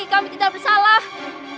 kami tidak bersalah